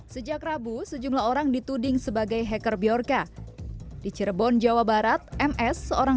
sejak rabu sejumlah orang dituding sebagai hacker bjorka di cirebon jawa barat ms seorang